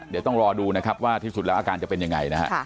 เดี๋ยวต้องรอดูนะครับว่าที่สุดแล้วอาการจะเป็นยังไงนะฮะ